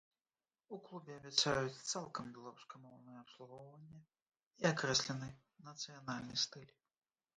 У клубе абяцаюць цалкам беларускамоўнае абслугоўванне і акрэслены нацыянальны стыль.